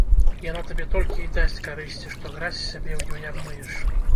Яна табе толькі і дасць карысці, што гразь з сябе ў ёй абмыеш.